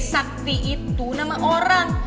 sakti itu nama orang